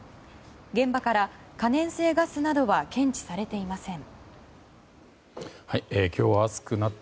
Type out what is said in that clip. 現場からは可燃性ガスなどは検知されていません。